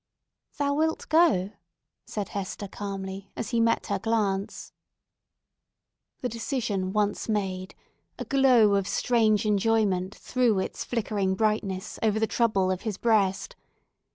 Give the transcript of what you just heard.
"Thou wilt go!" said Hester calmly, as he met her glance. The decision once made, a glow of strange enjoyment threw its flickering brightness over the trouble of his breast.